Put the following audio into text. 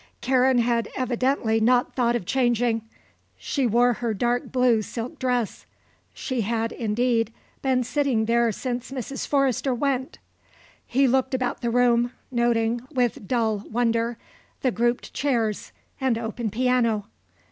Karen had evidently not thought of changing. She wore her dark blue silk dress. She had, indeed, been sitting there since Mrs. Forrester went. He looked about the room, noting, with dull wonder, the grouped chairs, and open piano.